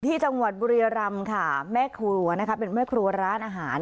ที่จังหวัดบุรียรำค่ะแม่ครัวนะคะเป็นแม่ครัวร้านอาหาร